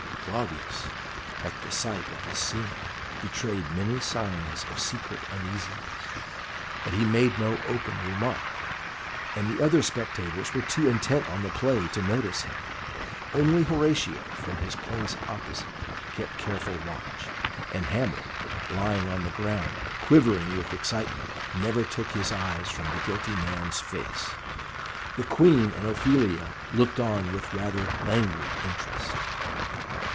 Claudius at the sight of this scene betrayed many signs of secret uneasiness, but he made no open remark, and the other spectators were too intent on the play to notice him. Only Horatio, from his place opposite, kept careful watch, and Hamlet, lying on the ground, quivering with excitement, never took his eyes from the guilty man's face. The Queen and Ophelia looked on with rather languid interest.